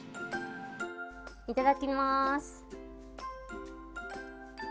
いただきます。